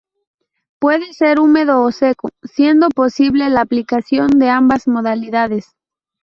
Puede ser húmedo o seco, siendo posible la aplicación de ambas modalidades.